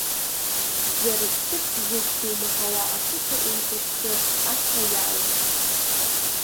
Џьара ҷытбжьыкгьы умаҳауа ақыҭа еиқәышьшьы ацәа иалан.